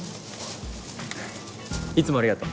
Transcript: いつもありがとう。